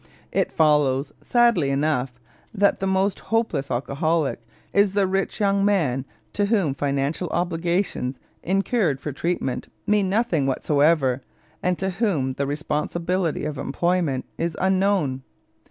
It follows, sadly enough, that the most hopeless alcoholic is the rich young man to whom financial obligations incurred for treatment mean nothing whatsoever, and to whom responsible employment is unknown.